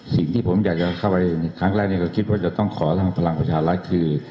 สิ่งที่ผมอยากจะเข้าไปในครั้งแรกนี้ก็คิดว่าจะต้องขอทางพลังประชารัฐคือ